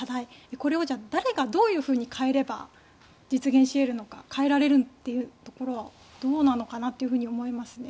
これをじゃあ誰が、どういうふうに変えれば実現し得るのか変えられるというところはどうなのかなと思いますね。